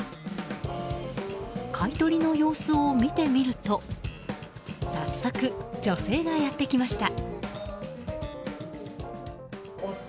買い取りの様子を見てみると早速、女性がやってきました。